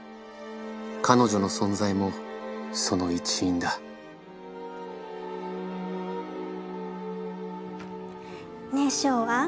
彼女の存在もその一因だねえショウアン。